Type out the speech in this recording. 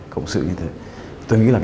cộng sự như thế tôi nghĩ là